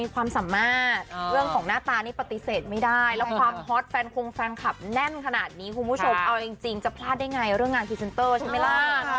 ความสามารถเรื่องของหน้าตานี่ปฏิเสธไม่ได้แล้วความฮอตแฟนคงแฟนคลับแน่นขนาดนี้คุณผู้ชมเอาจริงจะพลาดได้ไงเรื่องงานพรีเซนเตอร์ใช่ไหมล่ะ